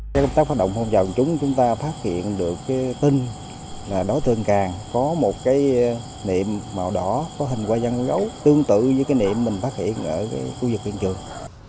các công tác phát động phòng trọng chúng ta phát hiện được tin là đối tượng càng có một niệm màu đỏ có hình quả dân gấu tương tự với niệm mình phát hiện ở khu vực viện trường